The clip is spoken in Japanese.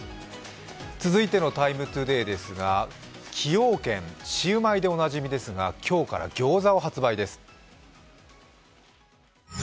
続いての「ＴＩＭＥ，ＴＯＤＡＹ」ですが崎陽軒、シウマイでおなじみですが今日からギョーザを発売です。